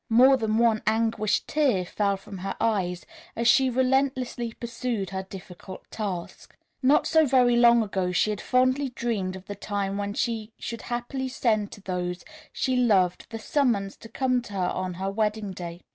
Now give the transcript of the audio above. More than one anguished tear fell from her eyes as she relentlessly pursued her difficult task. Not so very long ago she had fondly dreamed of the time when she should happily send to those she loved the summons to come to her on her wedding day.